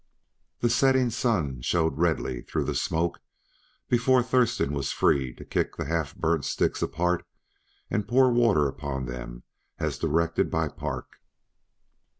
The setting sun shone redly through the smoke before Thurston was free to kick the half burnt sticks apart and pour water upon them as directed by Park.